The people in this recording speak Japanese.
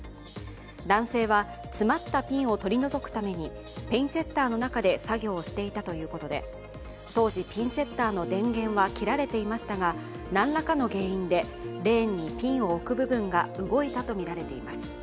男性は詰まったピンを取り除くためにピンセッターの中で作業をしていたということで、当時、ピンセッターの電源は切られていましたが何らかの原因でレーンにピンを置く部分が動いたとみられています。